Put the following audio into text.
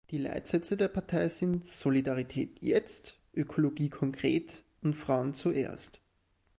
Die Leitsätze der Partei sind: «Solidarität jetzt», «Ökologie konkret» und «Frauen zuerst».